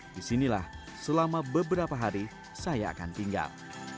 disinilah selama beberapa hari saya akan tinggal